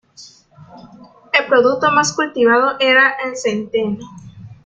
El producto más cultivado era el centeno.